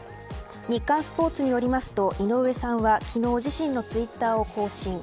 日刊スポーツによりますと井上さんは昨日、自身のツイッターを更新。